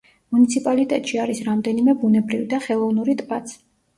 მუნიციპალიტეტში არის რამდენიმე ბუნებრივი და ხელოვნური ტბაც.